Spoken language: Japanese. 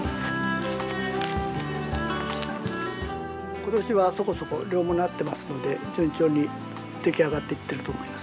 ことしはそこそこ量も成っていますので順調に出来上がっていっていると思います。